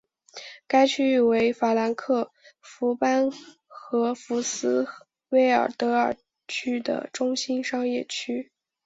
该区域成为法兰克福班荷福斯威尔德尔区的中心商业区。